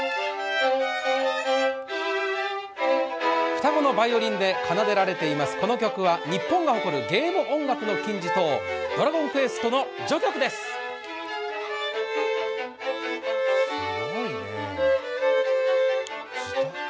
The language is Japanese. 双子のバイオリンで奏でられています、この曲は日本が誇るゲーム音楽の金字塔「ドラゴンクエスト」の序曲です。